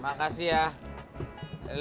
min makasih ya